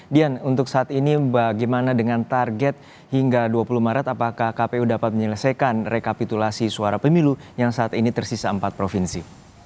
dian untuk saat ini bagaimana dengan target hingga dua puluh maret apakah kpu dapat menyelesaikan rekapitulasi suara pemilu yang saat ini tersisa empat provinsi